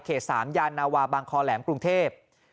๓ยานนาวาบางคอแหลมกรุงเทพ